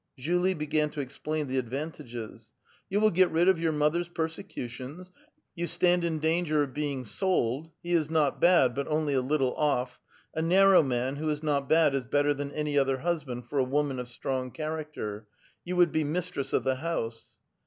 " Julie began to explain the advantages :" You will got rid of your mother's persecutions ; you stand in danger of being sold ; he is not bad, but onl}' a little off ; a narrow man who is not bad is better than any other husband for a woman of strong character ; you would be mistress of the house."